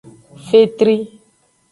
Fetri.